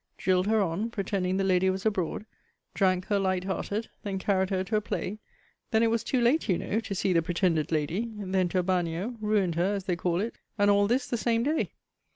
Drilled her on, pretending the lady was abroad. Drank her light hearted then carried her to a play then it was too late, you know, to see the pretended lady then to a bagnio ruined her, as they call it, and all this the same day.